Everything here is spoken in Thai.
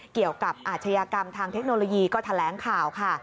เกี่ยวกับอาชญากรรมทางเทคโนโลยีก็แถลงข่าวค่ะ